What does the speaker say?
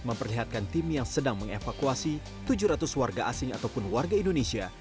memperlihatkan tim yang sedang mengevakuasi tujuh ratus warga asing ataupun warga indonesia